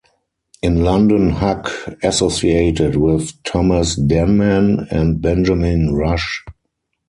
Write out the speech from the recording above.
In London Huck associated with Thomas Denman and Benjamin Rush.